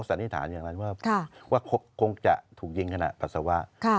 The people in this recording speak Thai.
สันนิษฐานอย่างไรว่าค่ะว่าคงจะถูกยิงขนาดปัสสาวะค่ะ